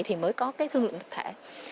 thì mới có cái thương lượng tập thể